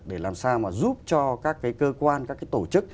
để làm sao mà giúp cho các cái cơ quan các cái tổ chức